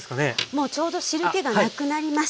もうちょうど汁けがなくなりました。